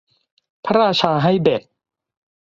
พระราชาให้เบ็ด